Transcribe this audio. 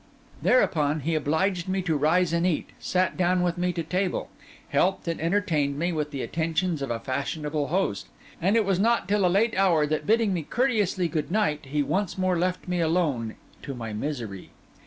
Thereupon he obliged me to rise and eat; sat down with me to table; helped and entertained me with the attentions of a fashionable host; and it was not till a late hour, that, bidding me courteously good night, he once more left me alone to my misery.